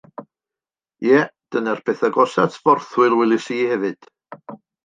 Ie, dyna'r peth agosa' at forthwyl welais i hefyd.